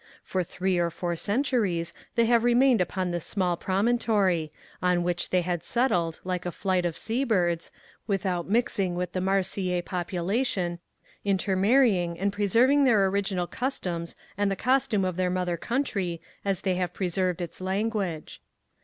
For three or four centuries they have remained upon this small promontory, on which they had settled like a flight of seabirds, without mixing with the Marseillaise population, intermarrying, and preserving their original customs and the costume of their mother country as they have preserved its language.